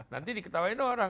nanti diketawakan orang